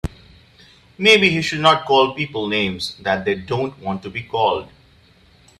Maybe he should not call people names that they don't want to be called.